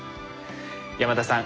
山田さん